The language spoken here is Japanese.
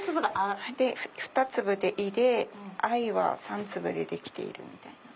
２粒で「い」で「あい」は３粒でできているみたいな。